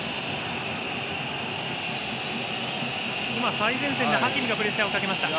最前線でハキミがプレッシャーをかけました。